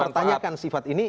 mempertanyakan sifat ini